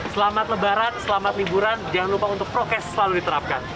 selamat lebaran selamat liburan jangan lupa untuk prokes selalu diterapkan